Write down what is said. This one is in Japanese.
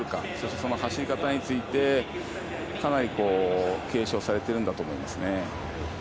その走り方についてかなり継承されているんだと思います。